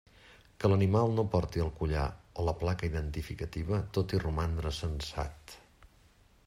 Que l'animal no porti el collar o la placa identificativa tot i romandre censat.